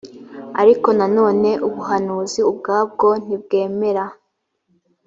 ariko nanone ubuhanuzi ubwabwo ntibwemera